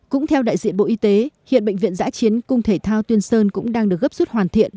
cũng theo đại diện bộ y tế hiện bệnh viện giã chiến cung thể thao tuyên sơn cũng đang được gấp rút hoàn thiện